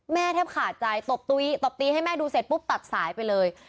แทบขาดใจตบตีให้แม่ดูเสร็จปุ๊บตัดสายไปเลย